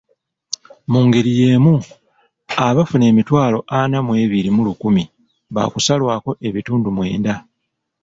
Mungeri yeemu, abafuna emitwalo ana mw'ebiri mu lukumi bakusalwako ebitundu mwenda.